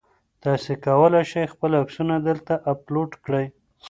تاسي کولای شئ خپل عکسونه دلته اپلوډ کړئ.